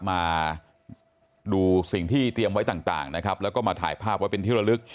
มาดูสิ่งที่เตรียมไว้ต่างนะครับแล้วก็มาถ่ายภาพไว้เป็นที่ระลึก